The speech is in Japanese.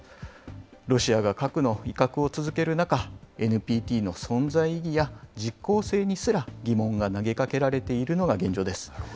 ロシアが核の威嚇を続ける中、ＮＰＴの存在意義や、実効性にすら疑問が投げかけられているのが現状です。